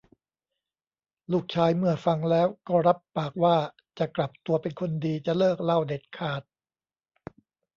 ลูกชายเมื่อฟังแล้วก็รับปากว่า จะกลับตัวเป็นคนดี จะเลิกเหล้าเด็ดขาด